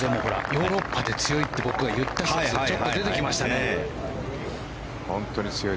ヨーロッパで強いって僕が言ったそれがちょっと出てきましたね。